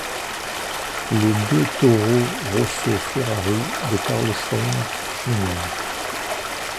Les deux Toro Rosso-Ferrari de Carlos Sainz Jr.